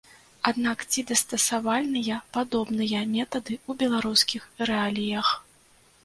Аднак ці дастасавальныя падобныя метады ў беларускіх рэаліях?